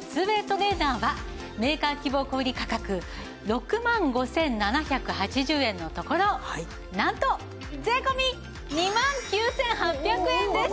ＷＡＹトレーナーはメーカー希望小売価格６万５７８０円のところなんと税込２万９８００円です！